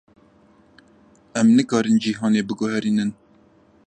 Em nikarin cîhanê biguherînin.